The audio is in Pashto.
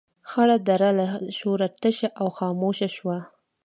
خړه دره له شوره تشه او خاموشه شوه.